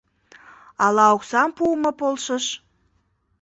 Ала оксам пуымо полшыш?..